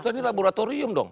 musrah di laboratorium dong